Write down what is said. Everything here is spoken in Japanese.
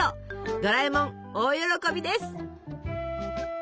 ドラえもん大喜びです。